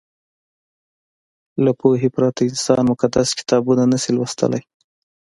له پوهې پرته انسان مقدس کتابونه نه شي لوستلی.